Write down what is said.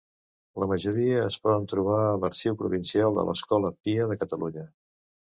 La majoria es poden trobar a l'Arxiu Provincial de l'Escola Pia de Catalunya.